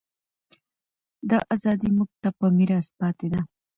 دا ازادي موږ ته په میراث پاتې ده.